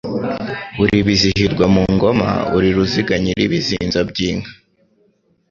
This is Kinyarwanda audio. Uri Bizihirwa mu ngoma Uri Ruziga nyiri ibizinzo by'inka,